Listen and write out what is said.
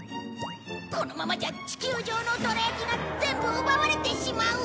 このままじゃ地球上のどら焼きが全部奪われてしまう